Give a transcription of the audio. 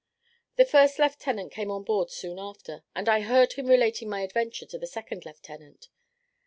The first lieutenant came on board soon after, and I heard him relating my adventure to the second lieutenant.